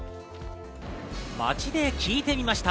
街で聞いてみました。